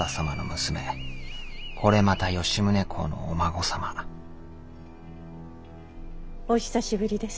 これまた吉宗公のお孫様お久しぶりです